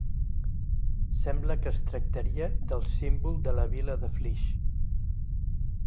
Sembla que es tractaria del símbol de la vila de Flix.